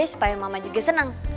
supaya mama juga senang